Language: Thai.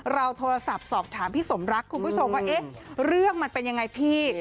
เราโทรศัพท์สอบถามพี่สมรักคุณผู้ชมว่าเอ๊ะเรื่องมันเป็นยังไงพี่